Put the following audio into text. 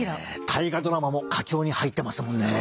「大河ドラマ」も佳境に入ってますもんね。